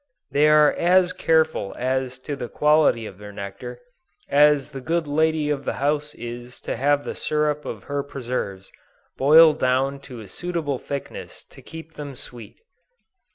They are as careful as to the quality of their nectar, as the good lady of the house is, to have the syrup of her preserves boiled down to a suitable thickness to keep them sweet.